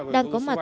đang có mặt